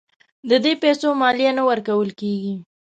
د دې پیسو مالیه نه ورکول کیږي.